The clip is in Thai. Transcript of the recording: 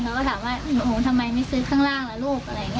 ก่อนเราก็ถามว่าหนูทำไมที่สื้อข้างล่างละลูก